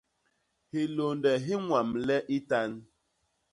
Hilônde hi ññwamle i tan.